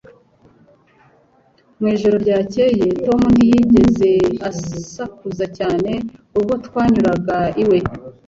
Mu ijoro ryakeye, Tom ntiyigeze asakuza cyane ubwo twanyuraga iwe.